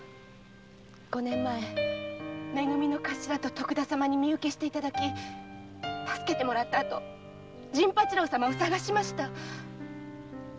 五年前「め組」の頭と徳田様に身うけして頂き助けてもらった後陣八郎様を捜しました。